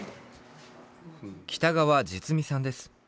北川實美さんです。